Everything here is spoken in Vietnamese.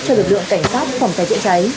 cho lực lượng cảnh sát phòng cháy chữa cháy